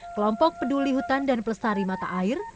kelompok peduli hutan dan pelestari mata air